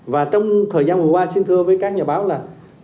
và trong thời gian vừa qua xin thưa với các nhà báo là